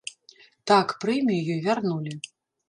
Так, прэмію ёй вярнулі.